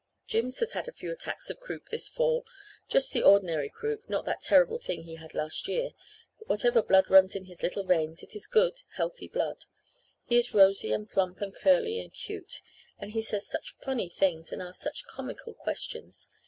"Jims has had a few attacks of croup this fall just the ordinary croup not that terrible thing he had last year. But whatever blood runs in his little veins it is good, healthy blood. He is rosy and plump and curly and cute; and he says such funny things and asks such comical questions.